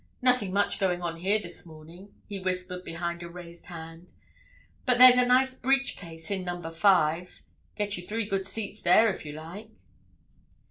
"Nothing much going on here this morning," he whispered behind a raised hand. "But there's a nice breach case in number five—get you three good seats there if you like."